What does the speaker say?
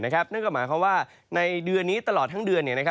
นั่นก็หมายความว่าในเดือนนี้ตลอดทั้งเดือน